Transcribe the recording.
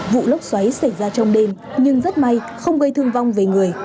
vụ lốc xoáy xảy ra trong đêm nhưng rất may không gây thương vong về người